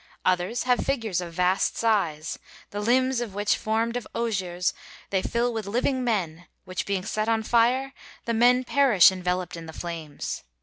Others have figures of vast size, the limbs of which formed of osiers they fill with living men, which being set on fire, the men perish enveloped in the flames.